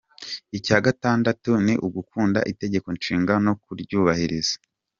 Icya gatandatu ni ugukunda itegeko nshinga no kuryubahiriza.